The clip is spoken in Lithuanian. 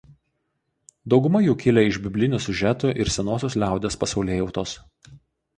Dauguma jų kilę iš biblinių siužetų ir senosios liaudies pasaulėjautos.